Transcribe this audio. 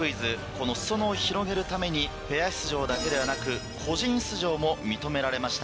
この裾野を広げるためにペア出場だけではなく個人出場も認められました。